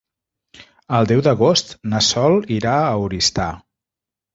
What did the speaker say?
El deu d'agost na Sol irà a Oristà.